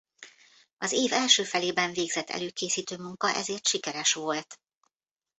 Az év első felében végzett előkészítő munka ezért sikeres volt.